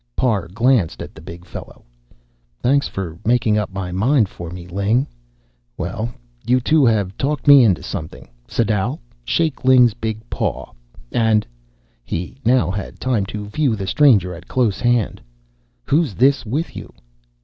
Parr glanced at the big fellow. "Thanks for making up my mind for me, Ling. Well, you two have talked me into something. Sadau, shake Ling's big paw. And," he now had time to view the stranger at close hand, "who's this with you?"